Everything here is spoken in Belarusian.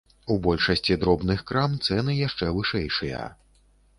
У большасці дробных крам цэны яшчэ вышэйшыя.